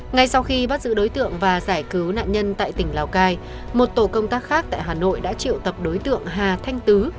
ngay sau khi bắt giữ đối tượng và giải cứu nạn nhân tại tỉnh lào cai một tổ công tác khác tại hà nội đã triệu tập đối tượng hà thanh tứ